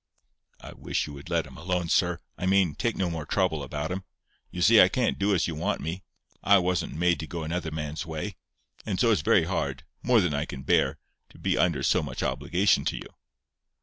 "I wish you would let him alone, sir—I mean, take no more trouble about him. You see I can't do as you want me; I wasn't made to go another man's way; and so it's very hard—more than I can bear—to be under so much obligation to you."